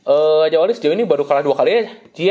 raja wali sejauh ini baru kalah dua kali aja